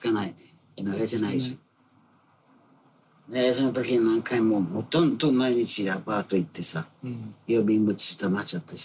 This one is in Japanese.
その時何回もほとんど毎日アパート行ってさ郵便物たまっちゃってさ。